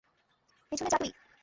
পিছনে যা তুই!